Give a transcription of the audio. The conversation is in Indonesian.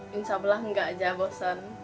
insya allah enggak aja bosan